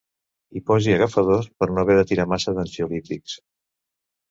Hi posi agafadors per no haver de tirar massa d'ansiolítics.